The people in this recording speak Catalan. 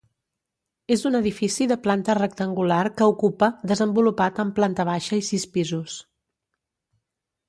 És un edifici de planta rectangular que ocupa, desenvolupat en planta baixa i sis pisos.